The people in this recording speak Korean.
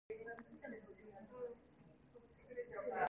오백 번호나 나왔건만 여기서도 아직도 수백 번호가 나가리만큼 아득해 보였다.